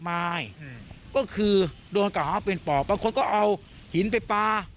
แบบคนก็เอาหินไปปลา